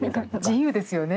自由ですよね。